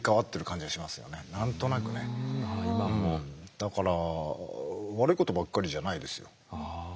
だから悪いことばっかりじゃないですよ。